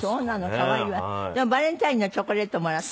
可愛いわ。でバレンタインのチョコレートもらった？